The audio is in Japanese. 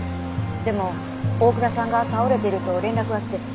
でも大倉さんが倒れていると連絡が来て。